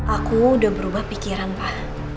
aku udah berubah pikiran pak